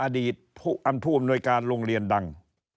อดีตผู้อำนวยการโรงเรียนดัง